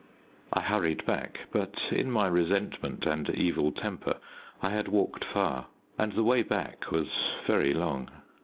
I hurried back, but in my resentment and evil temper I had walked far, and the way back was very long.